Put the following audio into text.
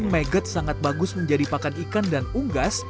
menggelikan maggot sangat bagus menjadi pakan ikan dan unggas